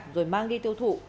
rồi mang đi tiêu thụ